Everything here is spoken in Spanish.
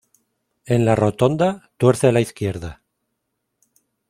En la rotonda, tuerce a la izquierda.